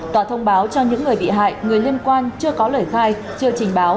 tòa thông báo cho những người bị hại người liên quan chưa có lời khai chưa trình báo